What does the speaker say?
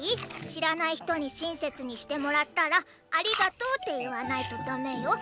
しらない人にしんせつにしてもらったら「ありがとう」って言わないとだめよ。